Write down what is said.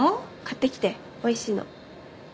買って来ておいしいの。